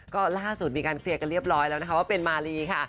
ก็ล่าสุดมีการเคลียร์กันเรียบร้อยแล้วนะคะว่าเป็นมารีค่ะ